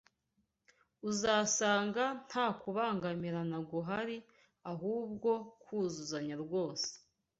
uzasanga nta kubangamirana guhari, ahubwo kuzuzanya rwose